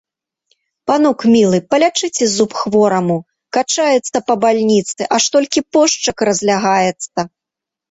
Панок, мілы, палячыце зуб хвораму, качаецца па бальніцы, аж толькі пошчак разлягаецца.